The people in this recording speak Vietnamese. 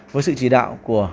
với sự chỉ đạo của